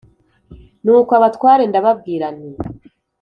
Nuko abatware ndababwira nti.